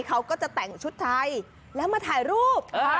เขาก็จะแต่งชุดไทยแล้วมาถ่ายรูป